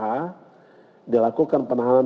yang kedua dilakukan penahanan